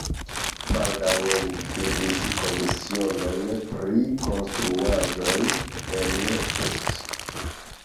Baldaŭe li gvidis komisionon pri konstruaĵoj en Pest.